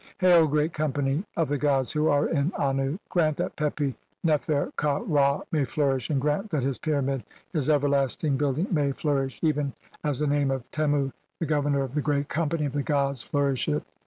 "Hail, Great Company of the gods who are in Annu, "grant that Pepi Nefer ka Ra may flourish, and grant "that his pyramid, his everlasting building, may flou rish, even as the name of Temu, the Governor of "the Great Company of the gods, flourisheth.